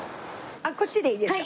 こっちでいいですか？